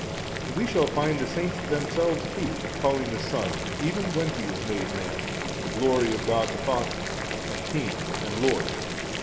And we shall find the saints themselves too calling the Son even when He was made man, the glory of God the Father, and King and Lord.